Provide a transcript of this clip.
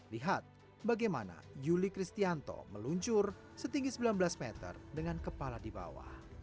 lihat bagaimana yuli kristianto meluncur setinggi sembilan belas meter dengan kepala di bawah